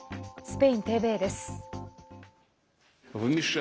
スペインＴＶＥです。